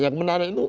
yang menarik itu